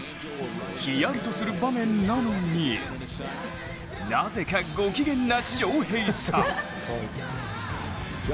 ひやりとする場面なのになぜかご機嫌な翔平さん。